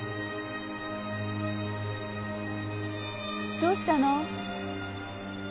どうしたの？